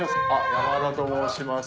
山田と申します。